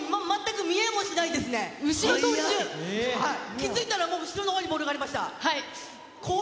気付いたらもう後ろのほうにボールがありました。